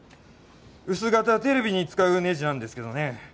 薄型テレビに使うねじなんですけどね。